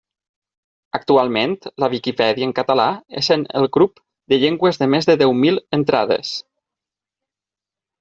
Actualment, la Viquipèdia en català és en el grup de llengües de més de deu mil entrades.